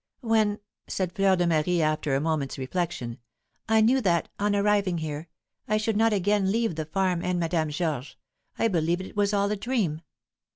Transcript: "When," said Fleur de Marie, after a moment's reflection, "I knew that, on arriving here, I should not again leave the farm and Madame Georges, I believed it was all a dream.